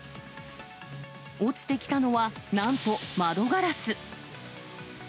落ちてきたのは、なんと、窓ガラス。